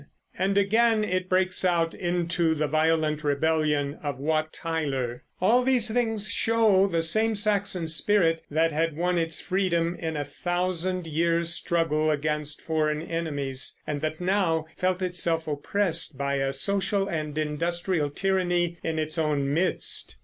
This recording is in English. and again it breaks out into the violent rebellion of Wat Tyler. All these things show the same Saxon spirit that had won its freedom in a thousand years' struggle against foreign enemies, and that now felt itself oppressed by a social and industrial tyranny in its own midst.